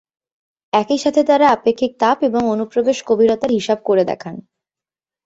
একই সাথে তারা আপেক্ষিক তাপ এবং অনুপ্রবেশ গভীরতার হিসাব করে দেখান।